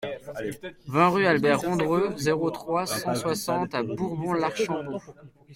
vingt rue Albert Rondreux, zéro trois, cent soixante à Bourbon-l'Archambault